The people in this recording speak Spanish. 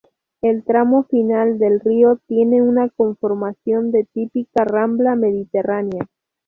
El tramo final del río tiene una conformación de típica rambla mediterránea.